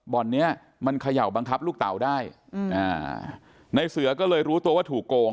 บอลนี้มันเขย่าบังคับลูกเตาได้นายเสือก็เลยรู้ตัวว่าถูกโกง